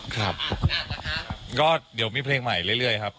ครับเราก็มีเพลงใหม่เรื่อย